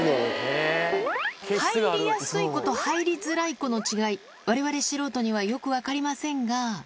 入りやすい子と入りづらい子の違い、われわれ素人にはよく分かりませんが。